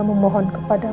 gue ngerasa seperti apa